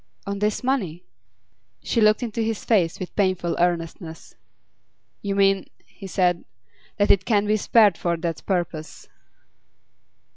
'On this money?' She looked into his face with painful earnestness. 'You mean,' he said, 'that it can't be spared for that purpose?